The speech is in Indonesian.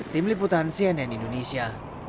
tim liputan cnn indonesia